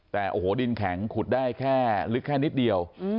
แต่ดินแข็งขุดได้ลึกแค่นิดเดียว